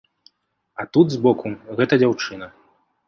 А тут, збоку, гэта дзяўчына.